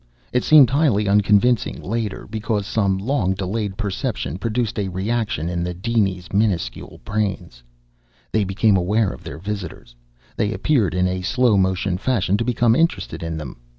It seemed highly unconvincing, later, because some long delayed perception produced a reaction in the dinies' minuscule brains. They became aware of their visitors. They appeared, in a slow motion fashion, to become interested in them.